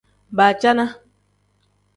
Baacana.